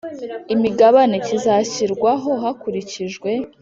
imigabane kizashyirwaho hakurikijwe